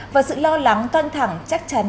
và sự lo lắng toan thẳng chắc chắn